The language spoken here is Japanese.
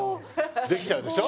できちゃうでしょ？